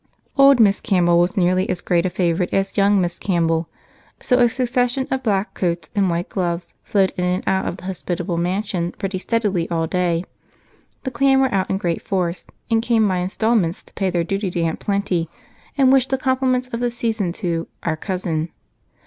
Old Miss Campbell was nearly as great a favorite as young Miss Campbell, so a succession of black coats and white gloves flowed in and out of the hospitable mansion pretty steadily all day. The clan was out in great force, and came by in installments to pay their duty to Aunt Plenty and wish the compliments of the season to "our cousin."